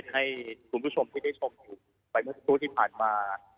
ให้คุณผู้ชมที่ได้ชมอยู่ไปเมื่อสักครู่ที่ผ่านมา